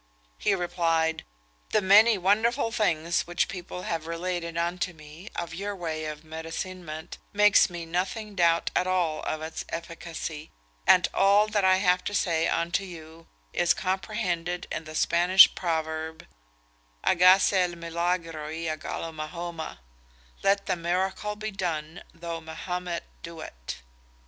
He replied, 'The many wonderful things which people have related unto me of your way of medicinement makes me nothing doubt at all of its efficacy; and all that I have to say unto you is comprehended in the Spanish proverb, Hagase el milagro y hagalo Mahoma Let the miracle be done, though Mahomet do it.'